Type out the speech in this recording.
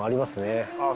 ああ